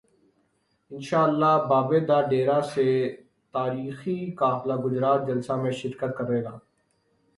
انشا ءاللہ بابے دا ڈیرہ سے تا ریخی قافلہ گجرات جلسہ میں شر کت کر ے گا